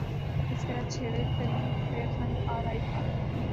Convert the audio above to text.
تذکرہ چھیڑے تری پیرہن آرائی کا